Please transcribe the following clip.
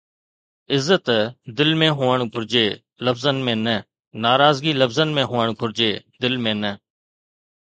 عزت دل ۾ هئڻ گهرجي لفظن ۾ نه. ناراضگي لفظن ۾ هئڻ گهرجي دل ۾ نه